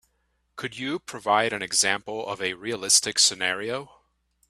Could you provide an example of a realistic scenario?